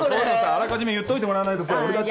あらかじめ言っておいてもらわないとさ俺だって。